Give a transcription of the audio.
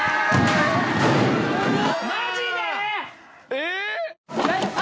えっ！？